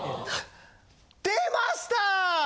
出ました！